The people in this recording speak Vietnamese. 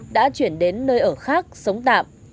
đã chuyển đến nơi ở khác sống tạm